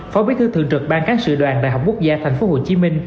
phó bí thư thượng trực ban cáng sự đoàn đại học quốc gia tp hcm